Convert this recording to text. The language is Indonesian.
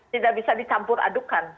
tidak bisa dicampur adukan